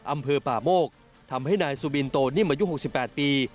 อำเภอป่าโมกทำให้นายสุบินโตนิ่มอายุ๖๘ปี